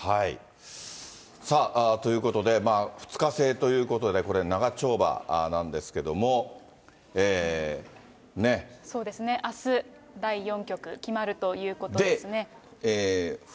さあ、ということで、２日制ということで、これ、そうですね、あす、第４局決まるということですね。